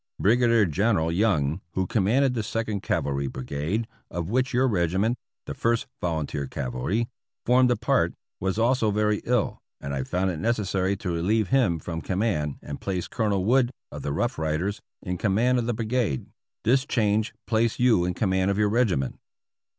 Brigadier General Young, who commanded the Second Cavalry Brigade, of which your regiment— the First Volunteer Cavalry — formed a part, was also very ill, and I found it necessary to relieve him from command and place Colonel Wood, of the Rough Riders, in command of the Brigade ; this change placed you in command of your regiment.